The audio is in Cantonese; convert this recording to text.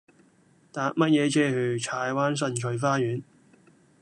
搭乜嘢車去柴灣新翠花園